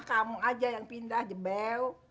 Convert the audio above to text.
kamu aja yang pindah jebel